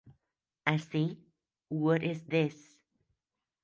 Así, What Is This?